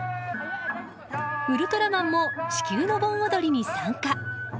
ウルトラマンも地球の盆踊りに参加。